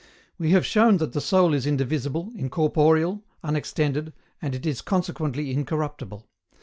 We have shown that the soul is indivisible, incorporeal, unextended, and it is consequently incorruptible.